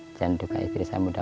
orang jawa itu ya